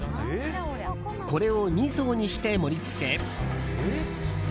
これを２層にして盛り付け。